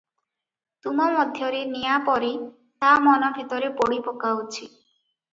ତୁମ ମଧ୍ୟରେ ନିଆଁ ପରି ତା ମନ ଭିତରେ ପୋଡ଼ି ପକାଉଛି ।